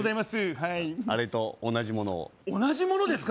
はいあれと同じものを同じものですか？